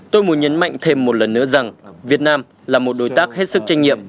tôi muốn nhấn mạnh thêm một lần nữa rằng việt nam là một đối tác hết sức trách nhiệm